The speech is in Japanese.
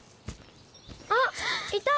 あっいた！